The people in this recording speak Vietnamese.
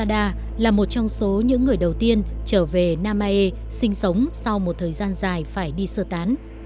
ông munahiro asada là một trong số những người đầu tiên trở về namae sinh sống sau một thời gian dài phải đi sơ tán